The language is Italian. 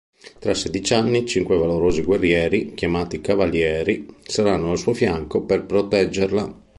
Tra sedici anni, cinque valorosi guerrieri, chiamati Cavalieri, saranno al suo fianco per proteggerla.